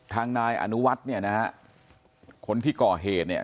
ทางนายอนุวัฒน์เนี่ยนะฮะคนที่ก่อเหตุเนี่ย